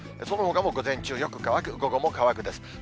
そのほかも午前中、よく乾く、午後も乾くです。